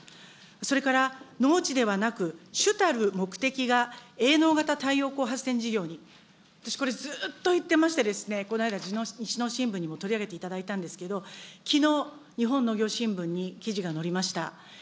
それから農地ではなく、主たる目的が営農型太陽光発電事業に、私これ、ずっと言ってましてですね、この間、新聞にも取り上げていただいたんですけれども、日本農業新聞に記事が載りました。